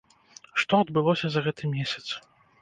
Што адбылося за гэты месяц?